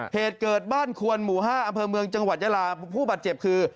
เหตุเกิดบ้านควรหมู่๕อำเภอเมืองจังหวัดยาลาผู้บาดเจ็บคือ